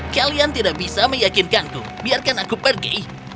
kalian tidak bisa meyakinkanku biarkan aku pergi